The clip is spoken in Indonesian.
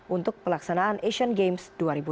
untuk pelaksanaan asian games dua ribu delapan belas